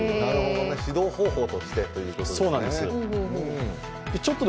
指導方法としてということですね。